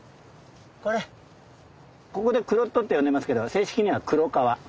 これここでクロットって呼んでますけど正式にはクロカワ。